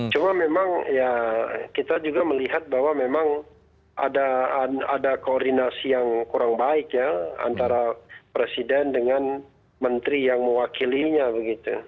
cuma memang ya kita juga melihat bahwa memang ada koordinasi yang kurang baik ya antara presiden dengan menteri yang mewakilinya begitu